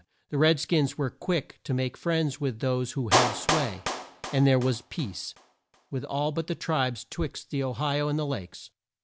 The red skins were quick to make friends with those who held sway, and there was peace with all the tribes twixt the O hi o and the Lakes.